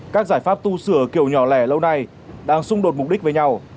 các giải pháp tu sửa kiểu nhỏ lẻ lâu nay đang xung đột mục đích với nhau